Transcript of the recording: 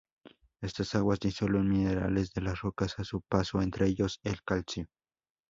Estas aguas disuelven minerales de las rocas a su paso, entre ellos, el calcio.